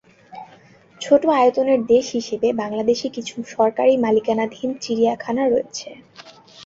ছোট আয়তনের দেশ হিসেবে বাংলাদেশে কিছু সরকারি মালিকানাধীন চিড়িয়াখানা রয়েছে।